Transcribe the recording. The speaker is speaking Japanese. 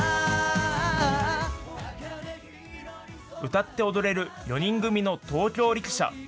歌って踊れる４人組の東京力車。